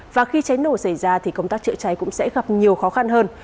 và khi cháy nổ xảy ra thì công tác chữa cháy cũng sẽ gặp nhiều khó khăn hơn